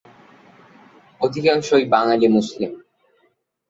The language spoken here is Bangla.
অধিকাংশই বাঙালী মুসলিম।